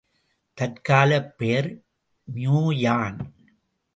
தற்காலப் பெயர் மியுயான்.